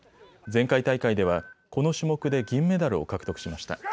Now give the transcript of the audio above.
前回大会では、この種目で銀メダルを獲得しました。